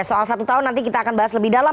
soal satu tahun nanti kita akan bahas lebih dalam